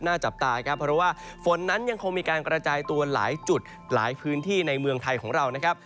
จับตาครับเพราะว่าฝนนั้นยังคงมีการกระจายตัวหลายจุดหลายพื้นที่ในเมืองไทยของเรานะครับ